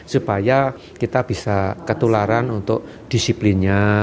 supaya kita bisa ketularan untuk disiplinnya